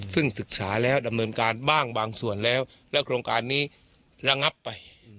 ซึ่งศึกษาแล้วดำเนินการบ้างบางส่วนแล้วและโครงการนี้ระงับไป